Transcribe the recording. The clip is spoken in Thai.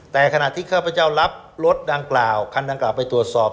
แต่ขณะที่ข้าพเจ้ารับรถดังกล่าวคันดังกล่าวไปตรวจสอบ